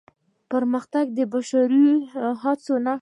پرمختګ د بشري هڅو نښه ده.